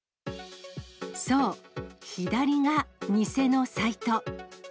そう、左が偽のサイト。